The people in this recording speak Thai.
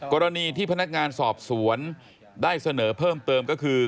กรณีที่พนักงานสอบสวนได้เสนอเพิ่มเติมก็คือ